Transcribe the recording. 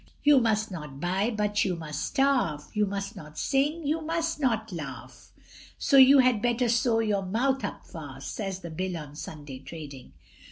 You must not buy, but you must starve, You must not sing, you must not laugh, So you had better sow your mouth up fast, Says the Bill on Sunday trading.